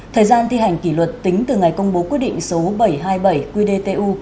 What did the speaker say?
thời gian thi hành kỷ luật tính từ ngày công bố quyết định số bảy trăm hai mươi bảy qdtu